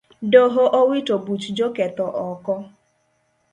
Doho owito buch joketho oko